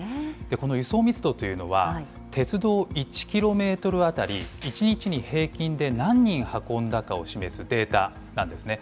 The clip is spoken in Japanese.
この輸送密度というのは、鉄道１キロメートル当たり１日に平均で何人運んだかを示すデータなんですね。